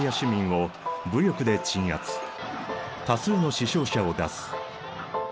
多数の死傷者を出す。